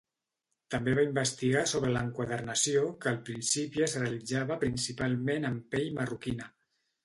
També va investigar sobre l'enquadernació, que al principi es realitzava principalment en pell marroquina.